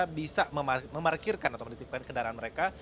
mereka bisa memarkirkan atau menitipkan kendaraan mereka